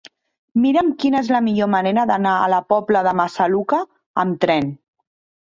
Mira'm quina és la millor manera d'anar a la Pobla de Massaluca amb tren.